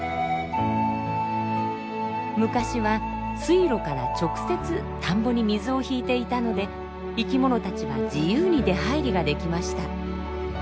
昔は水路から直接田んぼに水を引いていたので生きものたちは自由に出はいりができました。